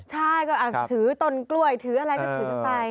ใช่ก็ถือต้นกล้วยถืออะไรก็ถือไป